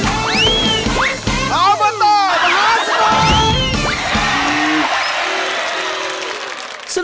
ออเบอตตอร์ประหลาดสุโนมัติ